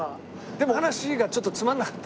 でも話がちょっとつまんなかった。